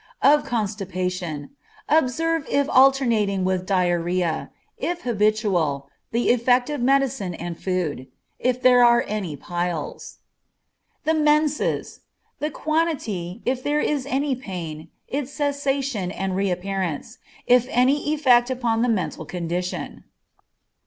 Of constipation. Observe if alternating with diarrhoea, if habitual, the effect of medicine and food; if there are any piles. The menses. The quantity, if there is any pain, its cessation and reappearance, if any effect upon the mental condition.